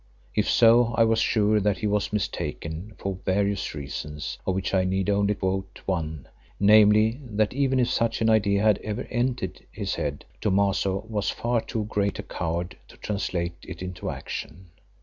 If so I was sure that he was mistaken for various reasons, of which I need only quote one, namely, that even if such an idea had ever entered his head, Thomaso was far too great a coward to translate it into action.